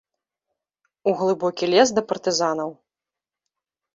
У глыбокі лес да партызанаў.